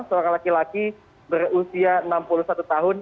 seorang laki laki berusia enam puluh satu tahun